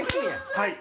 はい。